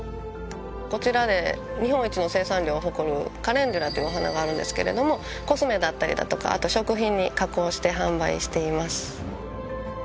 こちらで日本一の生産量を誇るカレンデュラというお花があるんですけれどもコスメだったりだとかあと食品に加工して販売しています。